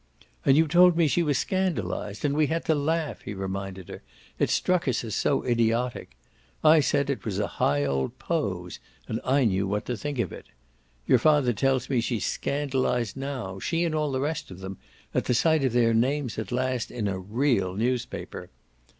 "And you told me she was scandalised. And we had to laugh," he reminded her "it struck us as so idiotic. I said it was a high old POSE, and I knew what to think of it. Your father tells me she's scandalised now she and all the rest of them at the sight of their names at last in a REAL newspaper.